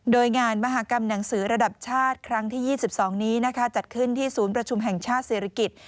โดยงานมหากรรมหนังสือระดับชาติครั้งที่๒๒นี้จัดขึ้นที่ศูนย์ประชุมแห่งชาติศิริกิจ